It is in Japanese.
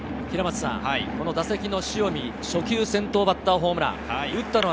打席の塩見、初球先頭バッターホームラン。